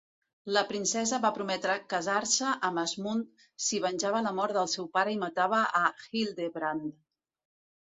La princesa va prometre casar-se amb Asmund, si venjava la mort del seu pare i matava a Hildebrand.